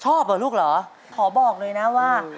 ชอบเหรอลูกเหรอขอบอกเลยนะว่า